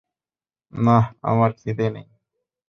নাহ, আমার খিদে নাই।